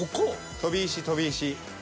飛び石飛び石。